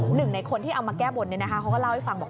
หนึ่งในคนที่เอามาแก้บนเขาก็เล่าให้ฟังบอก